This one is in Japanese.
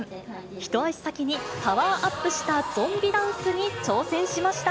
一足先にパワーアップしたゾンビダンスに挑戦しました。